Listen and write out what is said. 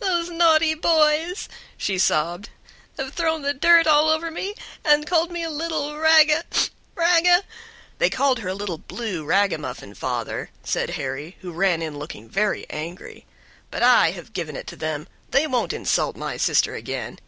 "Those naughty boys," she sobbed, "have thrown the dirt all over me, and called me a little raga raga " "They called her a little 'blue' ragamuffin, father," said Harry, who ran in looking very angry; "but I have given it to them; they won't insult my sister again.